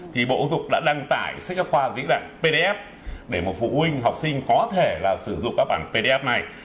thì bộ dục đã đăng tải sách giáo khoa dĩ đoạn pdf để một phụ huynh học sinh có thể là sử dụng các bản pdf này